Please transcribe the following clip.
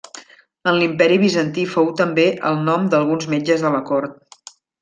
En l'Imperi Bizantí fou també el nom d'alguns metges de la cort.